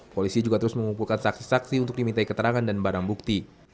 polisi juga terus mengumpulkan saksi saksi untuk dimintai keterangan dan barang bukti